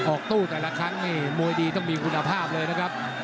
ตู้แต่ละครั้งนี่มวยดีต้องมีคุณภาพเลยนะครับ